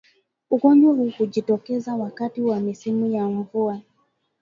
Ugonjwa huu hujitokeza wakati wa misimu ya mvua